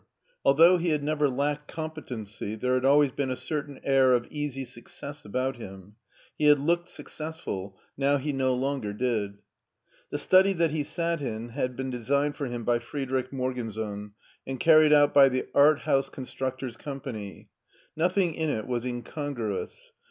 Although he had never lacked competency there had always been a certain air of easy success about him. He had looked successful; now he no longer did. The study that he 5at in had been designed for him by Frederich Morgensohn and carried out by the Arthouseconstructors Company. Nothing in it was incongruous.